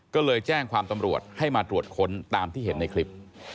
ก็เลยแจ้งความตำรวจให้มาตรวจค้นตามที่เห็นในคลิป